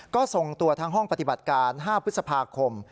ก็ส่งตัวทั้งห้องปฏิบัติการ๕พฤษภาคม